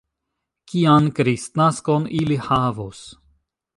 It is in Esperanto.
Kian kristnaskon ili havos?